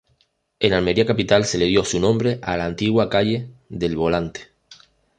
En Almería capital se le dio su nombre a la antigua calle del Volante.